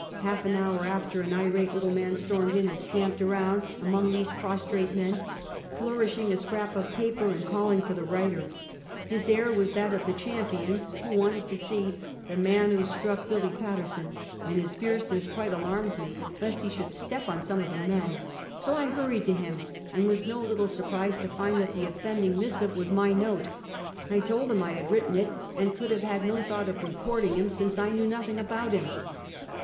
Half an hour after, an irate little man stormed in and stamped around among those prostrate men, flourishing a scrap of paper and calling for the writer. His air was that of the champion who The Old Theater. 311 wanted to see " the man who struck Billy Patterson," and Ills fierceness quite alarmed me, lest lie should step on some of the men. So I hurried to him, and was no little surprised to find that the offending mis sive was my note. I told him I had written it, and could have had no thought of "reporting" him, since I knew nothing about him.